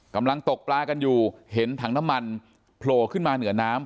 กำลังตกปลากันอยู่เห็นถังน้ำมันโผล่ขึ้นมาเหนือน้ำ